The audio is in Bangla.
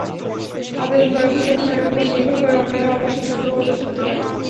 আবেদন করা ভিসার ধরনের ওপর নির্ভর করে অন্যান্য আবশ্যিক শর্ত প্রযোজ্য হতে পারে।